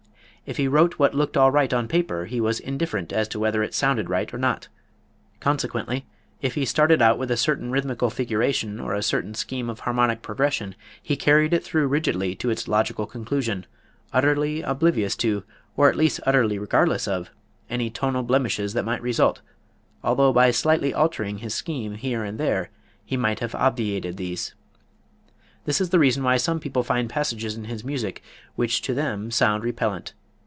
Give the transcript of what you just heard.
If what he wrote looked all right on paper he was indifferent as to whether it sounded right or not; consequently, if he started out with a certain rhythmical figuration or a certain scheme of harmonic progression, he carried it through rigidly to its logical conclusion, utterly oblivious to, or at least utterly regardless of, any tonal blemishes that might result, although by slightly altering his scheme here and there he might have obviated these. This is the reason why some people find passages in his music which to them sound repellant.